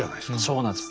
そうなんです。